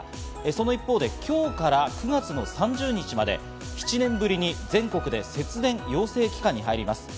その一方で今日から９月の３０日まで７年ぶりに全国で節電要請期間に入ります。